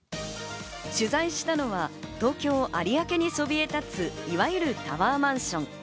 取材したのは東京・有明にそびえ立ついわいるタワーマンション。